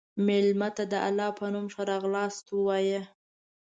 مېلمه ته د الله په نوم ښه راغلاست ووایه.